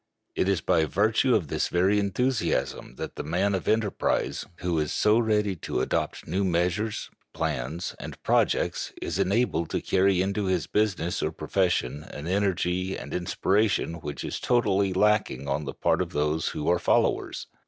It is by virtue of this very enthusiasm that the man of enterprise, who is so ready to adopt new measures, plans, and projects, is enabled to carry into his business or profession an energy and inspiration which is totally lacking on the part of those who are followers.